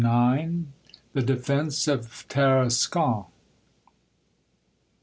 69 THE DEFENCE OF TARASCON.